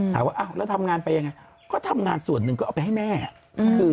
ถามว่าแล้วทำงานไปยังไงก็ทำงานส่วนหนึ่งก็เอาไปให้แม่คือ